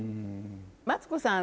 マツコさん